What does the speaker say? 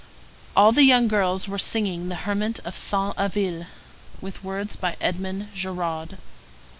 All the young girls were singing the Hermit of Saint Avelle, with words by Edmond Géraud.